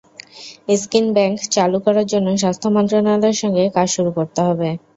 Skin bank চালু করার জন্য স্বাস্থ্য মন্ত্রণালয়ের সঙ্গে কাজ শুরু করতে হবে।